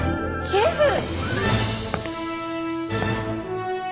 シェフ！